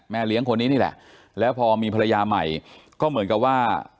เลี้ยงคนนี้นี่แหละแล้วพอมีภรรยาใหม่ก็เหมือนกับว่า